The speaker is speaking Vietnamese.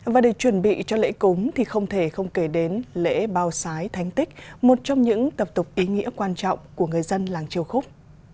và để chuẩn bị cho lễ cúng thì không thể không kể đến lễ bao sái thánh tích một trong những tập tục ý nghĩa quan trọng của người dân làng châu khúc